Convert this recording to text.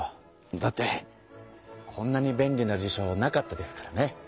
だってこんなに便利な辞書なかったですからね。